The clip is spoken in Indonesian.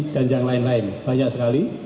dan yang lain lain banyak sekali